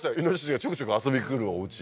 猪がちょくちょく遊びに来るおうち